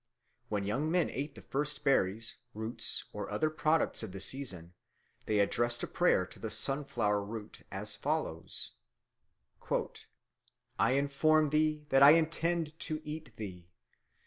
When young people ate the first berries, roots, or other products of the season, they addressed a prayer to the Sunflower Root as follows: "I inform thee that I intend to eat thee.